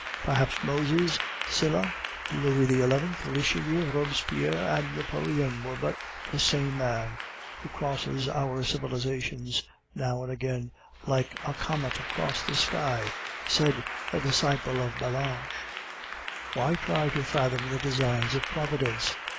"Perhaps Moses, Sylla, Louis XI., Richelieu, Robespierre, and Napoleon were but the same man who crosses our civilizations now and again, like a comet across the sky," said a disciple of Ballanche. "Why try to fathom the designs of Providence?"